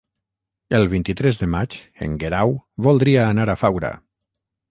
El vint-i-tres de maig en Guerau voldria anar a Faura.